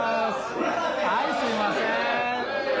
はいすいません。